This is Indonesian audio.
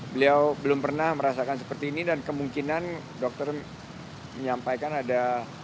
beliau belum pernah merasakan seperti ini dan kemungkinan dokter menyampaikan ada